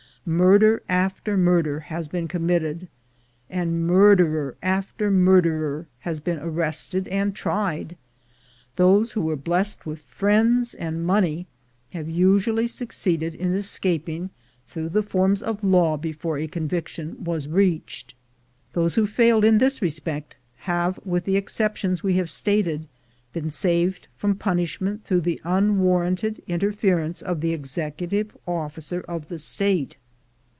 Murder after murder has been committed, and murderer after murderer has been arrested and tried. Those who were blessed with friends and money have usually succeeded in escaping through the forms of law be fore a conviction was reached. Those who failed in this respect have, with the exceptions we have stated, been saved from punishment through the unwarranted interference of the executive officer of the State.